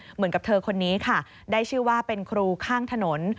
เหมือนกับเธอคนนี้ค่ะได้ชื่อว่าเป็นครูข้างถนน